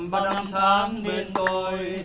và năm tháng bên tôi